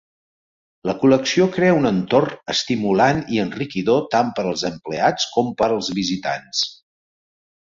La col·lecció crea un entorn estimulant i enriquidor tant per als empleats com per als visitants.